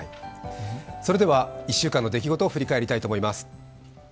それでは１週間の出来事を振り返りたいと思います。